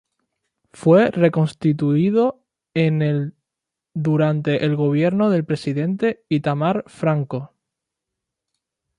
Fue reconstituido en el durante el gobierno del presidente Itamar Franco.